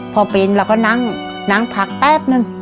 พอเป็นเราก็นั่งพักแป๊บนึง